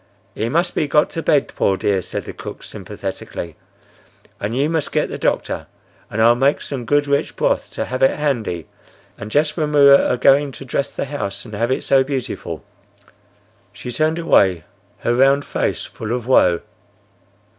"He must be got to bed, poor dear!" said the cook, sympathetically. "And you must get the doctor, and I'll make some good rich broth to have it handy.—And just when we were a goin' to dress the house and have it so beautiful!" She turned away, her round face full of woe.